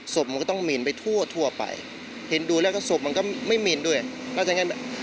สภ์มันก็ต้องเหม็นไปทั่วไปเห็นดูแล้วก็สภ์มันก็ไม่เหม็นไปด้วย